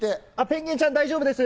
ペンギンちゃんは大丈夫です。